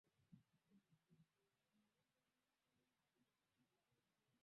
dhidi ya mia moja na tisa vya santantonio spurs